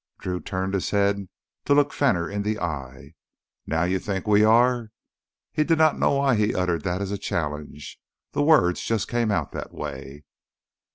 Drew turned his head to look Fenner in the eye. "Now you think we are!" He did not know why he uttered that as a challenge; the words just came out that way.